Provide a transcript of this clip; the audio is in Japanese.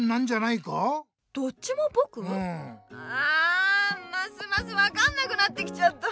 あますますわかんなくなってきちゃった。